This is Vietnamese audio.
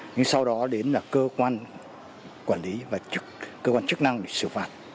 nhưng sau đó đến là cơ quan quản lý và cơ quan chức năng để xử phạt